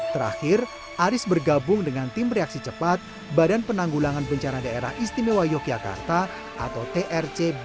terakhir aris bergabung dengan tim reaksi cepat badan penanggulangan pencarian daerah istimewa yogyakarta atau trcbpbddie sejak erupsi merapi